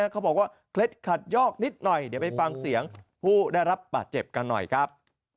เขาบอกว่าเคล็ดขัดยอกนิดหน่อยเดี๋ยวไปฟังเสียงผู้ได้รับบาดเจ็บกันหน่อยครับ